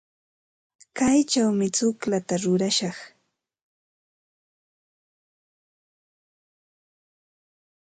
Kaychawmi tsukllata rurashaq.